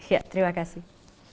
ya terima kasih